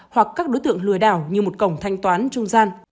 hoặc các đối tượng lừa đảo như một cổng thanh toán trung gian